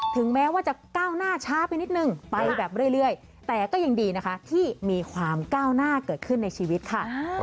ถึงแม้ว่าจะก้าวหน้าช้าไปนิดนึงไปแบบเรื่อยแต่ก็ยังดีนะคะที่มีความก้าวหน้าเกิดขึ้นในชีวิตค่ะ